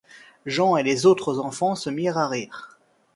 Jean et les autres enfants se mirent à rire.